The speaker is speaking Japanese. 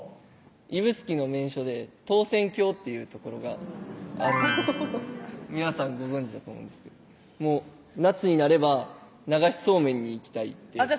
指宿の名所で唐船峡という所が皆さんご存じだと思うんですけど夏になれば「流しそうめんに行きたい」ってあっ